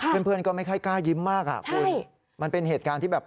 เพื่อนเพื่อนก็ไม่ค่อยกล้ายิ้มมากอ่ะคุณมันเป็นเหตุการณ์ที่แบบ